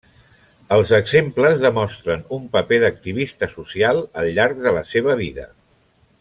Els exemples demostren un paper d'activista social al llarg de la seva vida.